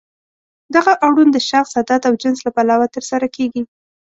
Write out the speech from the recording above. دغه اوړون د شخص، عدد او جنس له پلوه ترسره کیږي.